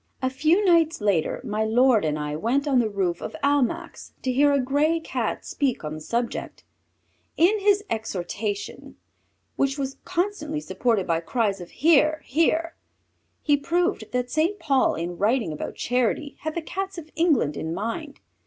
A few nights later my lord and I went on the roof of Almack's to hear a grey Cat speak on the subject. In his exhortation, which was constantly supported by cries of "Hear! Hear!" he proved that Saint Paul in writing about charity had the Cats of England in mind.